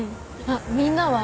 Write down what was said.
あっみんなは？